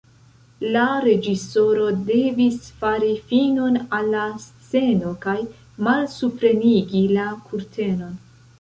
La reĝisoro devis fari finon al la sceno kaj malsuprenigi la kurtenon.